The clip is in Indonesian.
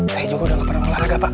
saya juga udah gak pernah olahraga pak